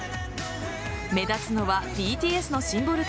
目立つのはＢＴＳのシンボル